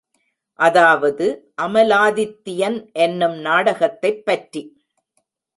அதாவது, அமலாதித்யன் என்னும் நாடகத்தைப்பற்றி.